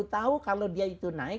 tahu kalau dia itu naik